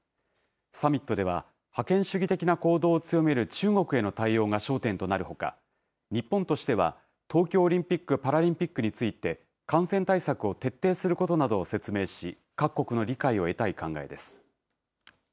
サミットでは、覇権主義的な行動を強める中国への対応が焦点となるほか、日本としては、東京オリンピック・パラリンピックについて、感染対策を徹底することなどを説明し、各国の理解を得たい考えです。